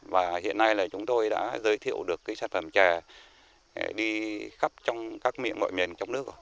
và hiện nay chúng tôi đã giới thiệu được sản phẩm trẻ đi khắp trong các miệng ngoại miền trong nước